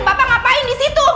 bapak ngapain di situ